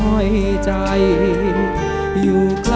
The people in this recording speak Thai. อยู่ที่เกิดกันก็คงเหมือนตายจากกัน